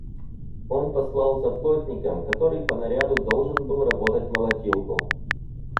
Он послал за плотником, который по наряду должен был работать молотилку.